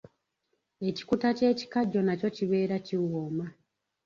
Ekikuta ky’ekikajjo nakyo kibeera kiwooma.